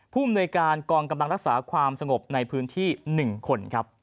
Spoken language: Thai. ภูมิหน่วยการกองกำลังรักษาความสงบในพื้นที่๑คนครับ